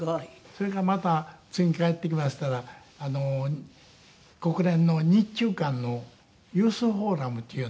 それからまた次帰ってきましたら国連の日中韓のユース・フォーラムっていうような。